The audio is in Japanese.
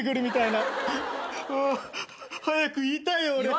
おお早く言いたいよ俺。